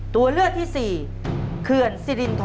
ตัวเลือกที่๔เขื่อนสิรินทร